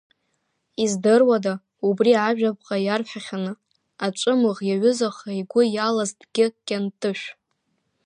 Издыруада, убри ажәаԥҟа иарҳәахьаны, аҵәымаӷ иаҩызаха игәы иалазҭгьы Кьынтышә.